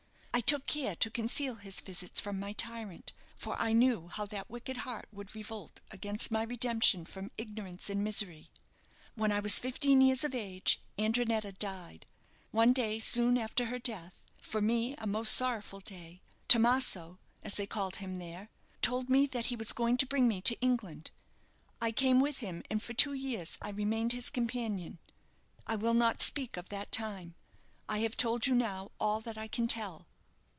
I took care to conceal his visits from my tyrant, for I knew how that wicked heart would revolt against my redemption from ignorance and misery. When I was fifteen years of age, Andrinetta died. One day, soon after her death for me a most sorrowful day Tomaso (as they called him there) told me that he was going to bring me to England, I came with him, and for two years I remained his companion. I will not speak of that time. I have told you now all that I can tell."